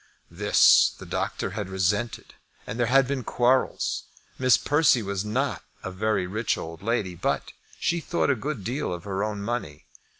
This the doctor had resented, and there had been quarrels. Miss Persse was not a very rich old lady, but she thought a good deal of her own money.